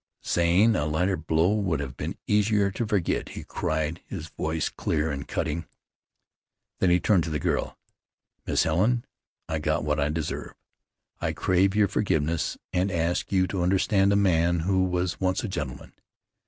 "Zane, a lighter blow would have been easier to forget," he cried, his voice clear and cutting. Then he turned to the girl. "Miss Helen, I got what I deserved. I crave your forgiveness, and ask you to understand a man who was once a gentleman.